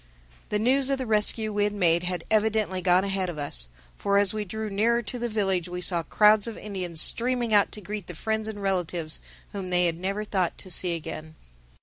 The news of the rescue we had made had evidently gone ahead of us. For as we drew nearer to the village we saw crowds of Indians streaming out to greet the friends and relatives whom they had never thought to see again.